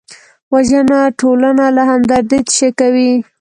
وژنه ټولنه له همدردۍ تشه کوي